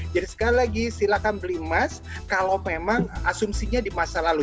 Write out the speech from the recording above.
jadi sekali lagi silahkan beli emas kalau memang asumsinya di masa lalu